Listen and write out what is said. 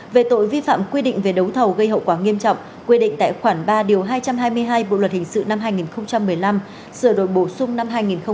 về tội vi phạm quy định về đấu thầu gây hậu quả nghiêm trọng quy định tại khoản ba điều hai trăm hai mươi hai bộ luật hình sự năm hai nghìn một mươi năm sửa đổi bổ sung năm hai nghìn một mươi bảy